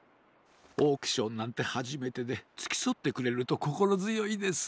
オークションなんてはじめてでつきそってくれるとこころづよいです。